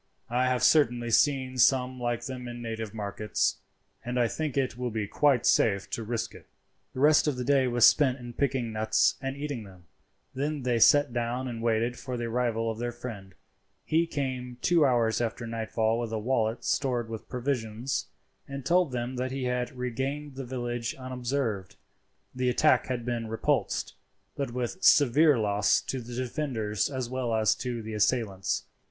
I have certainly seen some like them in native markets, and I think it will be quite safe to risk it." The rest of the day was spent in picking nuts and eating them. Then they sat down and waited for the arrival of their friend. He came two hours after nightfall with a wallet stored with provisions, and told them that he had regained the village unobserved. The attack had been repulsed, but with severe loss to the defenders as well as to the assailants.